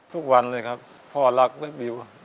ทุกวันเลยครับพ่อรักแม่บิว